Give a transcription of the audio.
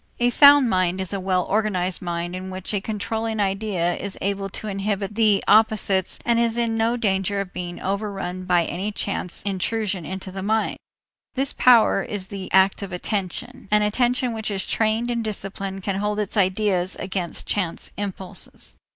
A sound mind is a well organized mind in which a controlling idea is able to inhibit the opposites and is in no danger of being overrun by any chance intrusion into the mind. This power is the act of attention. An attention which is trained and disciplined can hold its ideas against chance impulses.